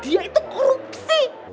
dia itu korupsi